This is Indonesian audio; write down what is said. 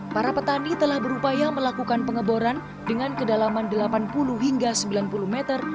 para petani telah berupaya melakukan pengeboran dengan kedalaman delapan puluh hingga sembilan puluh meter